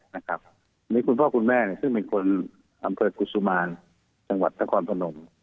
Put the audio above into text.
คุณพ่อคุณแม่ซึ่งเป็นคนอำเภอกุศุมารจังหวัดนครพนม